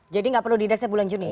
jadi gak perlu didesak bulan juni